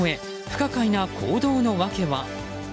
不可解な行動の訳は？